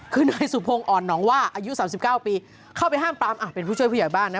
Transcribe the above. คือนายสุพงศ์อ่อนหนองว่าอายุ๓๙ปีเข้าไปห้ามปรามเป็นผู้ช่วยผู้ใหญ่บ้านนะ